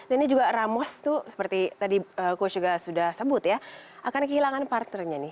ini juga ramos tuh seperti tadi coach juga sudah sebut ya akan kehilangan parternya nih